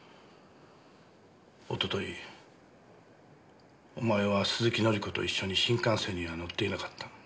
一昨日お前は鈴木紀子と一緒に新幹線には乗っていなかった。